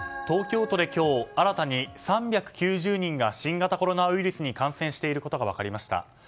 東京都で今日新たに３９０人が新型コロナウイルスに感染していることが分かりました。